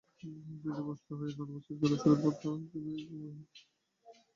স্মৃতিভ্রষ্টসহ অন্যান্য মনস্তাত্ত্বিক অসুখের পথ্য হিসেবেও ব্যবহূত করা যেতে পারে সবুজ চা।